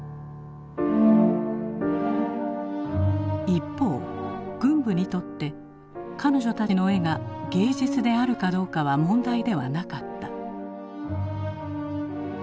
一方軍部にとって彼女たちの絵が芸術であるかどうかは問題ではなかった。